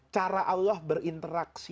cara allah berinteraksi